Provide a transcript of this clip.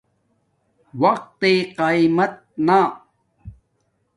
وقت تݵ قہمت نا